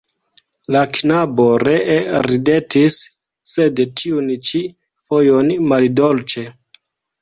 La knabo ree ridetis, sed tiun ĉi fojon maldolĉe.